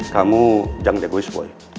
kamu jangan jago is boy